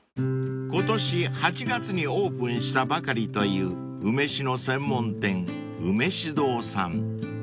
［今年８月にオープンしたばかりという梅酒の専門店梅酒堂さん］